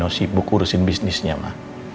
nino sibuk urusin bisnisnya ma